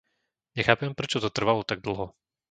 Nechápem, prečo to trvalo tak dlho.